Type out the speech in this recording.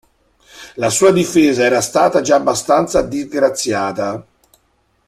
La sua difesa era stata già abbastanza disgraziata.